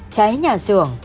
cháy nhà sưởng